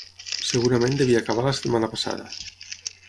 Segurament devia acabar la setmana passada.